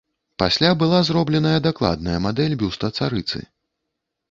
Пасля была зробленая дакладная мадэль бюста царыцы.